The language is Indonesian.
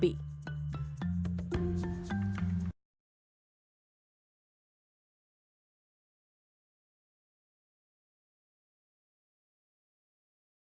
berita terkini mengenai cuaca ekstrem dua ribu dua puluh satu di jepang